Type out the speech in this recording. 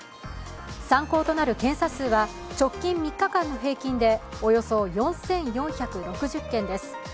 参考となる検査数は直近３日間の平均でおよそ４４６０件です。